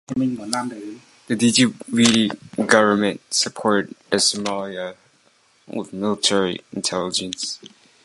The Djibouti government supported Somalia with military intelligence.